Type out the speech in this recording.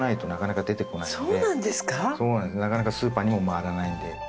なかなかスーパーにも回らないんで。